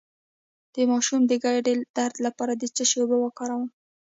د ماشوم د ګیډې درد لپاره د څه شي اوبه وکاروم؟